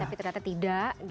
tapi ternyata tidak